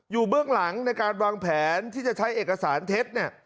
เบื้องหลังในการวางแผนที่จะใช้เอกสารเท็จเนี่ย